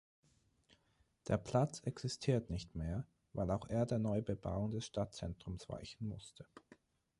Der Platz existiert nicht mehr, weil auch er der Neubebauung des Stadtzentrums weichen musste.